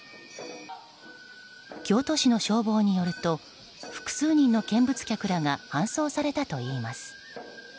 京都市の消防によると複数人の見物客らが搬送されたといいます。